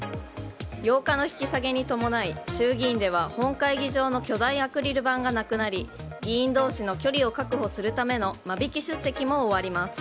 ８日の引き下げに伴い衆議院では本会議場の巨大アクリル板がなくなり議員同士の距離を確保するための間引き出席も終わります。